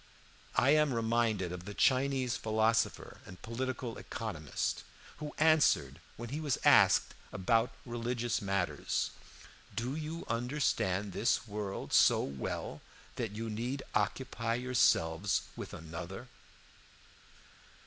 I am reminded of the Chinese philosopher and political economist, who answered when he was asked about religious matters: 'Do you understand this world so well that you need occupy yourselves with another?'